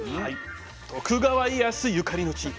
徳川家康ゆかりの地三方原